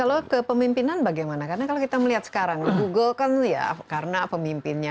kalau kepemimpinan bagaimana karena kalau kita melihat sekarang google kan ya karena pemimpinnya